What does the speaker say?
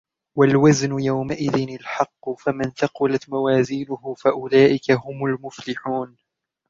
وَالْوَزْنُ يَوْمَئِذٍ الْحَقُّ فَمَنْ ثَقُلَتْ مَوَازِينُهُ فَأُولَئِكَ هُمُ الْمُفْلِحُونَ